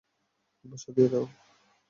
কম্পাসটা দিয়ে দাও!